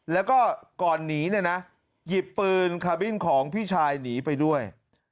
แล้วก็ก่อนหนีเนี่ยนะหยิบปืนคาบินของพี่ชายหนีไปด้วย